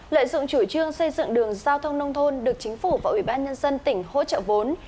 lợi dụng chủ trương xây dựng đường giao thông nông thôn được chính phủ và ủy ban nhân dân tỉnh hỗ trợ vốn